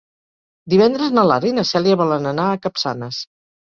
Divendres na Lara i na Cèlia volen anar a Capçanes.